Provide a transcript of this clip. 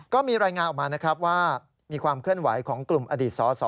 ก็มีรายงานออกมานะครับว่ามีความเคลื่อนไหวของกลุ่มอดีตสส